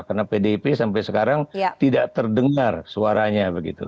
karena pdip sampai sekarang tidak terdengar suaranya begitu